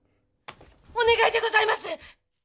お願いでございます！